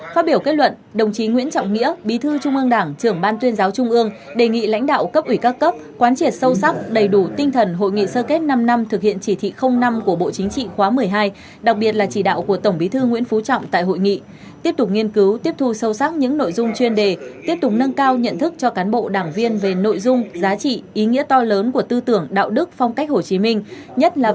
phát biểu kết luận đồng chí nguyễn trọng nghĩa bí thư trung ương đảng trưởng ban tuyên giáo trung ương đề nghị lãnh đạo cấp ủy các cấp khoán triệt sâu sắc đầy đủ tinh thần hội nghị sơ kết năm năm thực hiện chỉ thị năm của bộ chính trị khóa một mươi hai đặc biệt là chỉ đạo của tổng bí thư nguyễn phú trọng tại hội nghị tiếp tục nghiên cứu tiếp thu sâu sắc những nội dung chuyên đề tiếp tục nâng cao nhận thức cho cán bộ đảng viên về nội dung giá trị ý nghĩa to lớn của tư tưởng đạo đức phong cách hồ ch